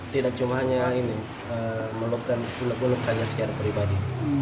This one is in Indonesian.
tidak cuma hanya meluk dan bunuk bunuk saja secara pribadi